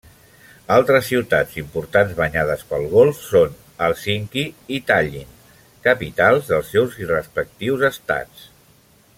Altres ciutats importants banyades pel golf són Hèlsinki i Tallinn, capitals dels seus respectius estats.